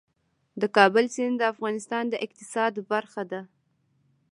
د کابل سیند د افغانستان د اقتصاد برخه ده.